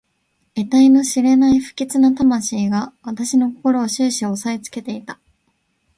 えたいの知れない不吉な魂が私の心を始終おさえつけていた。